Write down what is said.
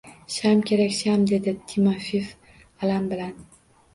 Sham kerak! Sham! – dedi Timofeev alam bilan.